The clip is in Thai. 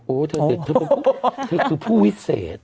โอ้ยเธอคือผู้วิเศษ